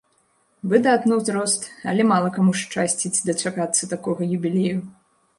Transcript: Выдатны ўзрост, але мала каму шчасціць дачакацца такога юбілею.